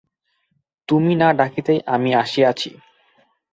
তুমি না ডাকিতেই আমি আসিয়াছি।